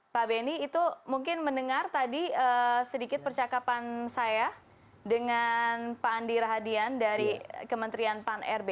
pak benny itu mungkin mendengar tadi sedikit percakapan saya dengan pak andi rahadian dari kementerian pan rb